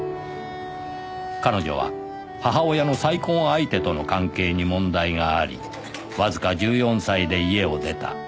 “彼女”は母親の再婚相手との関係に問題がありわずか１４歳で家を出た